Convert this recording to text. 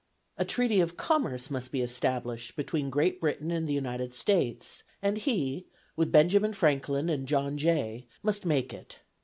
A treaty of commerce must be established between Great Britain and the United States, and he, with Benjamin Franklin and John Jay, must make it.